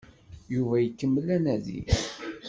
Yuba ikemmel anadi.